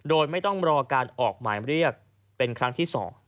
โดยไม่ต้องรอการออกหมายเรียกเป็นครั้งที่๒